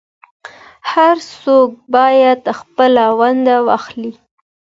هر څوک بايد خپله ونډه واخلي.